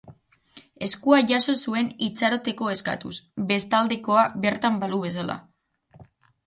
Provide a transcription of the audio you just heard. Eskua jaso zuen itxaroteko eskatuz, bestaldekoa bertan balu bezala.